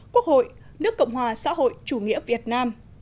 quốc hội nước cộng hòa xã hội chủ nghĩa việt nam